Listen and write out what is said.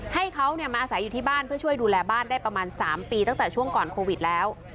ให้เขามาอาศัยอยู่ที่บ้านเพื่อช่วยดูแลบ้านได้ประมาณ๓ปีตั้งแต่ช่วงก่อนโควิดแล้ว